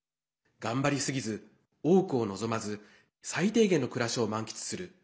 頑張りすぎず、多くを望まず最低限の暮らしを満喫する。